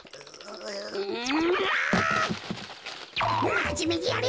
まじめにやれ！